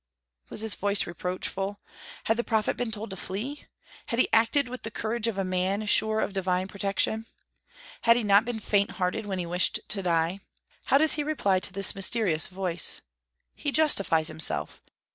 Was this voice reproachful? Had the prophet been told to flee? Had he acted with the courage of a man sure of divine protection? Had he not been faint hearted when he wished to die? How does he reply to the mysterious voice? He justifies himself.